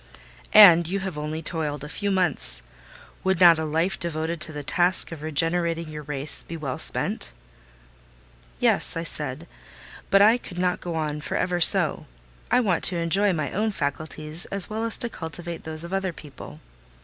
"And you have only toiled a few months! Would not a life devoted to the task of regenerating your race be well spent?" "Yes," I said; "but I could not go on for ever so: I want to enjoy my own faculties as well as to cultivate those of other people.